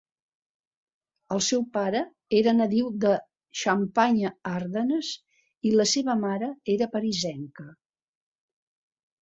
El seu pare era nadiu de Xampanya-Ardenes i la seva mare era parisenca.